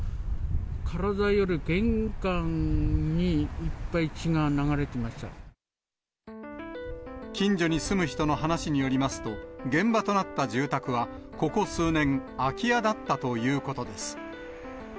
体より玄関にいっぱい血が流れて近所に住む人の話によりますと、現場となった住宅は、ここ数年、空き家だったということです。